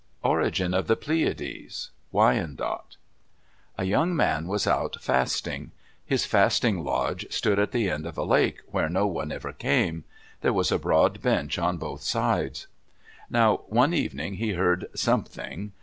ORIGIN OF THE PLEIADES Wyandot A young man was out fasting. His fasting lodge stood at the end of a lake, where no one ever came. There was a broad bench on both sides. Now, one evening he heard something.